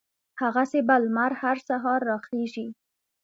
هغسې به لمر هر سهار را خېژي